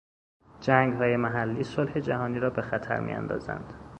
جنگهای محلی صلح جهانی را به خطر میاندازند.